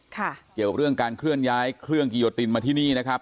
เกี่ยวเรื่องการเคลื่อนย้ายเครื่องกิโยตินมาที่นี่นะครับ